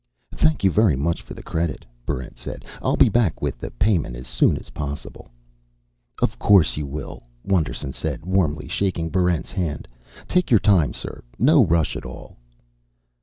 "Thank you very much for the credit," Barrent said. "I'll be back with the payment as soon as possible." "Of course you will," Wonderson said, warmly shaking Barrent's hand. "Take your time, sir. No rush at all."